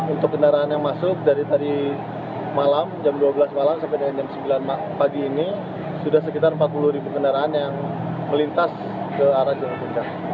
untuk kendaraan yang masuk dari tadi malam jam dua belas malam sampai dengan jam sembilan pagi ini sudah sekitar empat puluh ribu kendaraan yang melintas ke arah jalur puncak